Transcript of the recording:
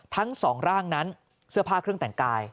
ทั้งสองร่างนั้นเสื้อผ้าเครื่องแต่งกาย